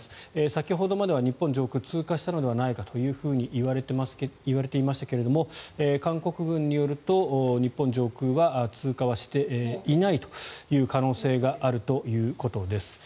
先ほどまでは日本上空通過したのではないかといわれていましたが韓国軍によると日本上空は通過はしていないという可能性があるということです。